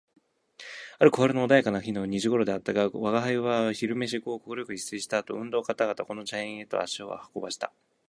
ある小春の穏やかな日の二時頃であったが、吾輩は昼飯後快く一睡した後、運動かたがたこの茶園へと歩を運ばした